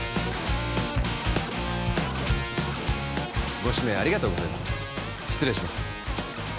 ご指名ありがとうございます失礼します